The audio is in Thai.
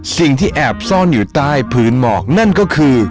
สิ่งที่แอบซ่อนอยู่ใต้พื้นหมอกนั่นก็คือ